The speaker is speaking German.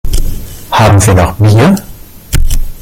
Haben wir noch Bier?